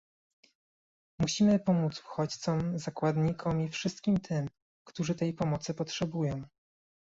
Musimy pomóc uchodźcom, zakładnikom i wszystkim tym, którzy tej pomocy potrzebują